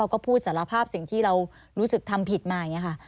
ก็คือสิ่งที่เรารู้สึกทำผิดมา